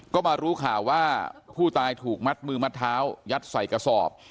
ก็มารู้ข่าวว่าผู้ตายถูกมัดมือมัดเท้ายัดใส่กระสอบ